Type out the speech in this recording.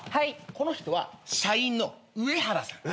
この人は社員の上原さん。